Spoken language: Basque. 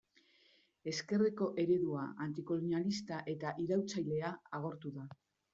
Ezkerreko eredua, antikolonialista eta iraultzailea agortu da.